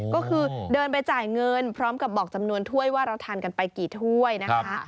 ก็คือเดินไปจ่ายเงินพร้อมกับบอกจำนวนถ้วยว่าเราทานกันไปกี่ถ้วยนะคะ